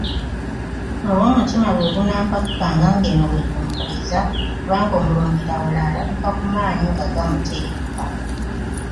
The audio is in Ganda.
Oba omutima gwe gunampakukanga ng'eno bwe gumpoleza kubanga omulundirawala alabira ku maanyi nga gamuterebuka!